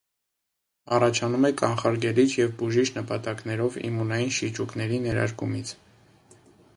Առաջանում է կանխարգելիչ և բուժիչ նպատակներով իմունային շիճուկների ներարկումից։